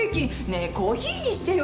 ねえコーヒーにしてよコーヒー！